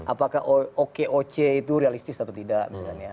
apakah okoc itu realistis atau tidak misalnya